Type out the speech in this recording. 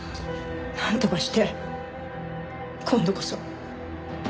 なんとかして今度こそ。